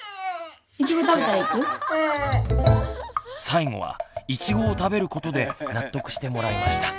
最後はいちごを食べることで納得してもらいました。